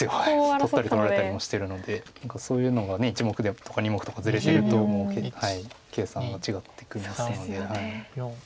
取ったり取られたりもしてるのでそういうのが１目とか２目とかずれてると計算が違ってきますので。